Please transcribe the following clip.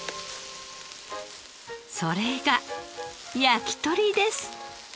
それが焼き鳥です。